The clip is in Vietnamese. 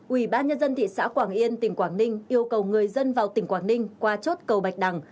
ủy ban nhân dân thị xã quảng yên tỉnh quảng ninh yêu cầu người dân vào tỉnh quảng ninh qua chốt cầu bạch đằng